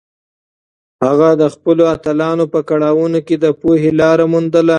هغه د خپلو اتلانو په کړاوونو کې د پوهې لاره موندله.